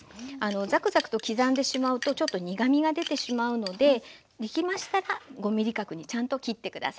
ザクザクと刻んでしまうとちょっと苦みが出てしまうのでできましたら５ｍｍ角にちゃんと切って下さい。